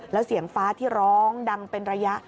แล้วเสียงฟ้าที่ร้องดังเป็นระยะ